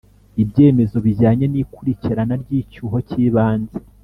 ibyemezo bijyanye n'ikurikirana ry'icyuho cy'ibanze